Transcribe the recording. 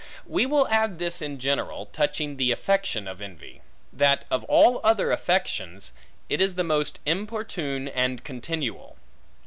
We will add this in general, touching the affection of envy; that of all other affections, it is the most importune and continual.